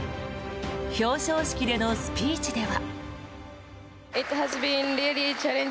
表彰式でのスピーチでは。